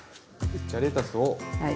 じゃあレタスを。